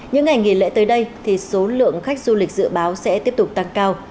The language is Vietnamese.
những ngày nghỉ lễ tới đây thì số lượng khách du lịch dự báo sẽ tiếp tục tăng cao